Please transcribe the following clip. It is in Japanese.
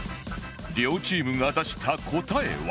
両チームが出した答えは